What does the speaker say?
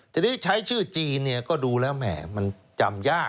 ทีนี้ใช้ชื่อจีนเนี่ยก็ดูแล้วแหมมันจำยาก